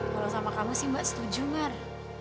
kalau sama kamu sih mbak setuju mar